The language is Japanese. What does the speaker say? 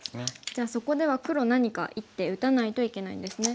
じゃあそこでは黒何か一手打たないといけないんですね。